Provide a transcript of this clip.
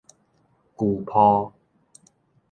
舊廍